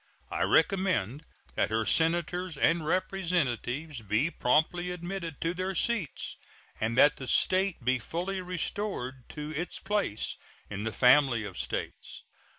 I recommend that her Senators and Representatives be promptly admitted to their seats, and that the State be fully restored to its place in the family of States.